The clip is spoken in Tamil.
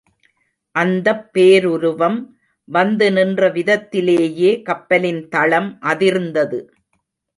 அந்தப் பேருருவம் வந்துநின்ற விதத்திலேயே கப்பலின் தளம் அதிர்ந்தது.